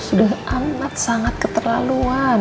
sudah amat sangat keterlaluan